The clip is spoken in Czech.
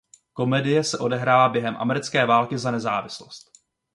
Komedie se odehrává během americké války za nezávislost.